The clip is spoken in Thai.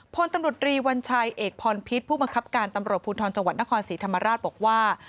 พลตำรวจรีวัญชัยเอกพรพิษผู้บังคับการตำรวจภูทรจังหวัดนครศรีธรรมราชบอกว่า